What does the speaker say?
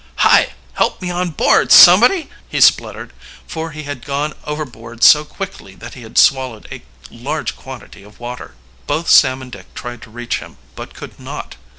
"Hi! help me on board, somebody!" he spluttered, for he had gone overboard so quickly that he had swallowed a large quantity of water. Both Sam and Dick tried to reach him, but could not.